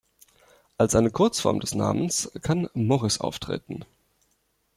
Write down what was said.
Als eine Kurzform des Namens kann Morris auftreten.